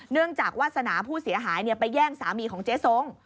จากวาสนาผู้เสียหายไปแย่งสามีของเจ๊ทรง